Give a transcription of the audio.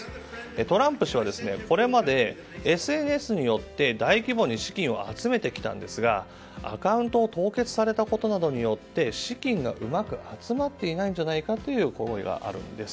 トランプ氏はこれまでＳＮＳによって大規模に資金を集めてきたんですがアカウントを凍結されたことなどによって資金がうまく集まっていないんじゃないかという声があるんです。